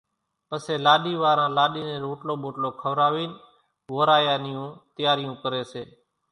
پسيَ لاڏِي واران لاڏِي نين روٽلو ٻوٽلو کوراوينَ وورايا نِيوُن تيارِيون ڪريَ سي۔